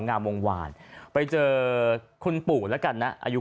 งามวงวาลไปเจอคุณปู่ละกันเนี่ย